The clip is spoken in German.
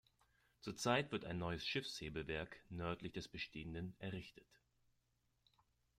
Zurzeit wird ein neues Schiffshebewerk nördlich des bestehenden errichtet.